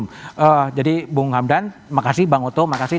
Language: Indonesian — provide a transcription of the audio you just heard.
bapak bung hamdan terima kasih bang oto terima kasih